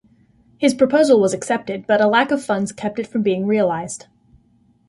His proposal was accepted, but a lack of funds kept it from being realized.